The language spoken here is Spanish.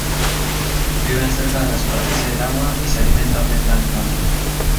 Viven cerca de la superficie del agua y se alimentan de plancton.